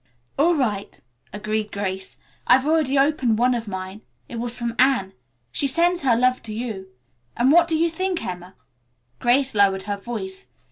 "All right," agreed Grace. "I've already opened one of mine. It was from Anne. She sends her love to you, and what do you think, Emma?" Grace lowered her voice.